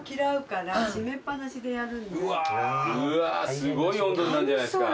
うわすごい温度になんじゃないですか。